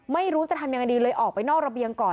ไม่รู้จะทำยังไงดีเลยออกไปนอกระเบียงก่อน